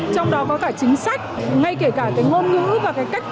trong đó có cả chính sách ngay kể cả cái ngôn ngữ và cái cách